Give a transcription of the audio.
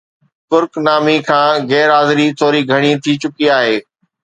ڪرڪ نامي کان غير حاضري ٿوري گهڻي ٿي چڪي آهي